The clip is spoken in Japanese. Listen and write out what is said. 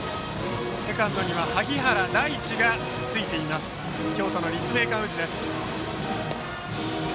セカンドには萩原大智がついている京都の立命館宇治です。